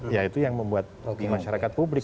ya itu yang membuat di masyarakat publik